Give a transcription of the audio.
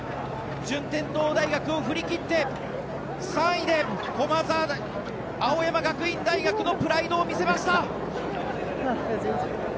順天堂大学を振り切って３位で青山学院大学のプライドを見せました。